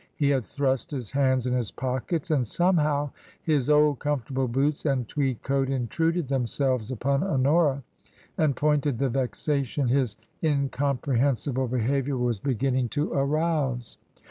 He had thrust his hands in his pockets, and somehow his old, comfortable boots and tweed coat intruded them selves upon Honora, ^nd pointed the vexation his in comprehensible behaviour was beginning to arouse.